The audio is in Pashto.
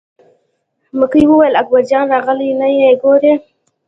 مکۍ وویل: اکبر جان راغلی نه یې ګورې.